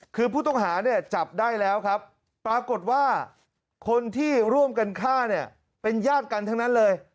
คือผู้ต้องหาเนี่ยจับได้แล้วครับปรากฏว่าคนที่ร่วมกันฆ่าเนี่ยเป็นญาติกันทั้งนั้นเลย